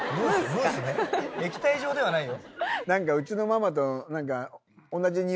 液体状ではないよ。